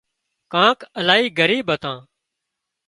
ڪانڪ الاهي ڳريٻ هتان